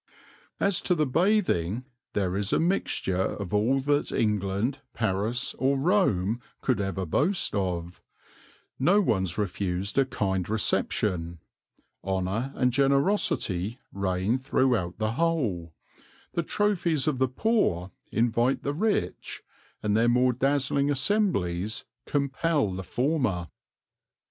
"As to the Bathing there is a Mixture of all that England, Paris or Rome could ever boast of; no one's refused a kind Reception, Honour and Generosity reign throughout the whole, the Trophies of the Poor invite the Rich, and their more dazzling Assemblies compel the Former."